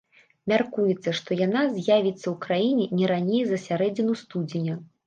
Мяркуецца, што яна з'явіцца ў краіне не раней за сярэдзіну студзеня.